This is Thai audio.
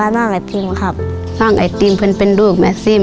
น้องไอติมเพื่อนเป็นลูกแม่ซิม